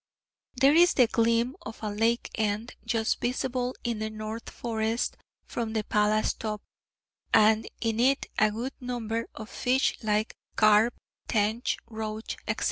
There is the gleam of a lake end just visible in the north forest from the palace top, and in it a good number of fish like carp, tench, roach, etc.